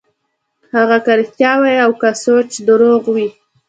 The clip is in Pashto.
هغه که رښتيا وي او که سوچه درواغ وي.